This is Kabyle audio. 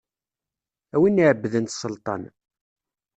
A win iɛebbden sselṭan.